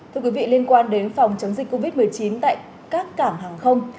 thưa quý vị liên quan đến phòng chống dịch covid một mươi chín tại các cảng hàng không